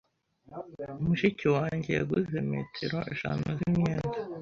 Mushiki wanjye yaguze metero eshanu zimyenda.